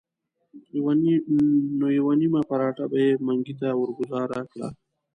نو یوه نیمه پراټه به یې منګي ته ورګوزاره کړه.